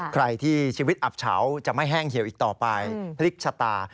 ใครที่ชีวิตอับเฉาจะไม่แห้งเหี่ยวอีกต่อไปพลิกชะตา